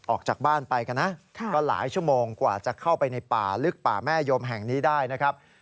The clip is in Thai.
ออกจากบ้านไปกันนะก็หลายชั่วโมงกว่าจะเข้าไปในป่าลึกป่าแม่ยมแห่งนี้ได้นะครับ